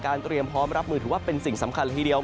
เตรียมพร้อมรับมือถือว่าเป็นสิ่งสำคัญละทีเดียว